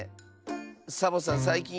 サボさんさいきん